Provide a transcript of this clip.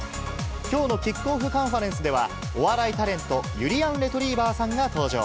きょうのキックオフカンファレンスでは、お笑いタレント、ゆりやんレトリィバァさんが登場。